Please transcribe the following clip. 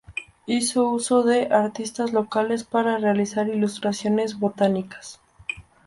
Hizo uso de artistas locales para realizar ilustraciones botánicas.